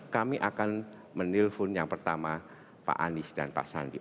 kami akan menelpon yang pertama pak anies dan pak sandi